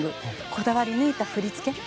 こだわり抜いた振り付け。